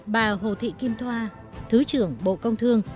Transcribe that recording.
bà hồ thị kim thoa thứ trưởng bộ công thương